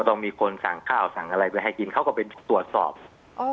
ต้องมีคนสั่งข้าวสั่งอะไรไปให้กินเขาก็ไปตรวจสอบอ๋อ